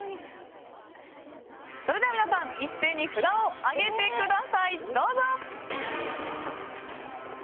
それでは皆さん一斉に札を上げてください。